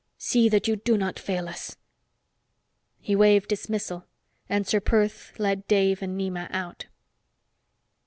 See that you do not fail us!" He waved dismissal and Ser Perth led Dave and Nema out.